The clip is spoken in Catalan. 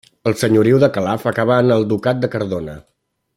El senyoriu de Calaf acabà en el ducat de Cardona.